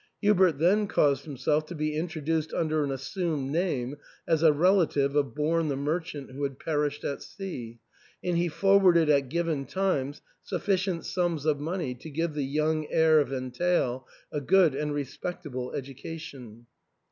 Hubert then caused himself to be introduced under an assumed name as a relative of Born the merchant, who had perished at sea, and he forwarded at given times suffi cient sums of money to give the young heir of entail a good and respectable education.